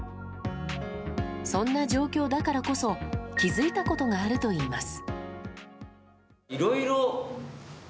そんな状況だからこそ気づいたことがあるといいます。